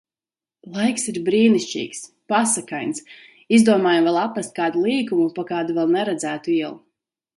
Laiks ir brīnišķīgs! Pasakains! Izdomājam vēl apmest kādu līkumu pa kādu vēl neredzētu ielu.